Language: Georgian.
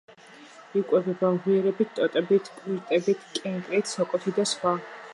იკვებება მღიერებით, ტოტებით, კვირტებით, კენკრით, სოკოთი და სხვა.